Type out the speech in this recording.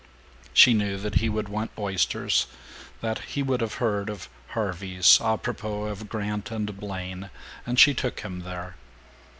She knew that he would want oysters, that he would have heard of Harvey's apropos of Grant and Blaine, and she took him there.